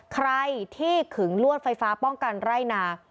ใครที่ขึงลวดไฟฟ้าป้องกันไร่นา